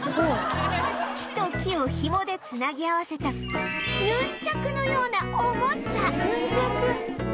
木と木をひもで繋ぎ合わせたヌンチャクのようなおもちゃヌンチャク。